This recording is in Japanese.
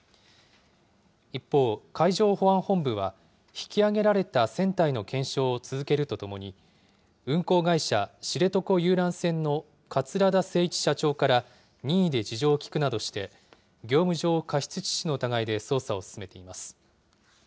一方、海上保安本部は、引き揚げられた船体の検証を続けるとともに、運航会社、知床遊覧船の桂田精一社長から任意で事情を聴くなどして、業務上過失致死の疑いで捜査を進めています。